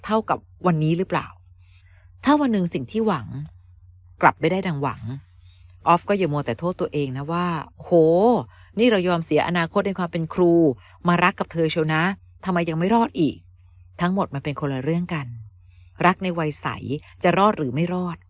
เท่ากับวันนี้หรือเปล่าถ้าวันนึงสิ่งที่หวังกลับไม่ได้